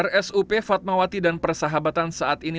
rsup fatmawati dan persahabatan saat ini